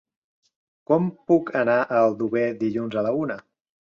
Com puc anar a Aldover dilluns a la una?